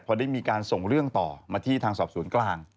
พอได้มีการส่งเรื่องต่อมาที่ทางสอบศูนย์กลาง